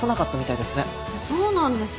そうなんです。